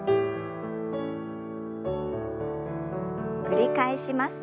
繰り返します。